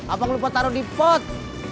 apa lupa taruh di pot